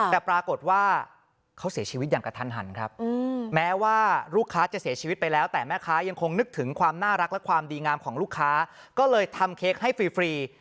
แต่ปรากฏว่าเขาเสียชีวิตอย่างกระทันหันครับแม้ว่าลูกค้าจะเสียชีวิตไปแล้วแต่แม่ค้ายังคงนึกถึงความน่ารักและความดีงามของลูกค้าก็เลยทำเค้กให้ฟรี